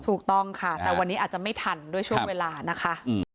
ถูกต้องค่ะแต่วันนี้อาจจะไม่ทันด้วยช่วงเวลานะคะ